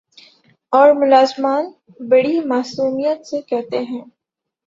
اورملزمان بڑی معصومیت سے کہتے ہیں۔